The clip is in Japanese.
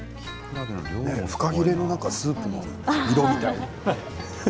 フカヒレのスープの色みたい。